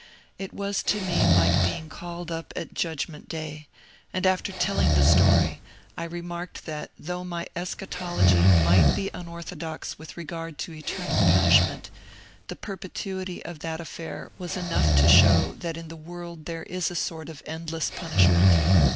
It was to me like being called up at Judgment Day, and after telling the story I remarked that though my eschatology might be unorthodox with regard to eternal punishment, the perpetuity of that affair was enough DR. JESSE T. PECK 67 to show that in the world there is a sort of endless punish ment.